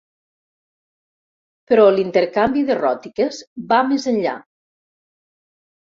Però l'intercanvi de ròtiques va més enllà.